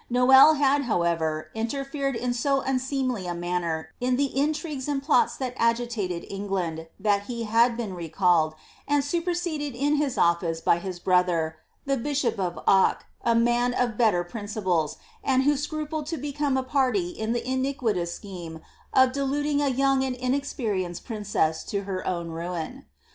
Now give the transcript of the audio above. Noailles had, however, interfered in so unseemly a manner in the intrigues and plots that agi tated England, that he had been recalled, and superseded in his office by his brother, the bishop of Acqs, a man of better principles, and who •crupled to become a party in the iniquitous scheme of Hehiding a youDg and inexperienced princess to her own ruin.